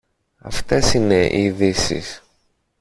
Αυτές είναι οι ειδήσεις